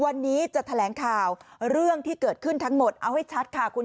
กันแน่แล้วที่สำคัญ